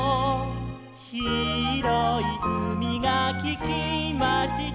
「ひろいうみがききました」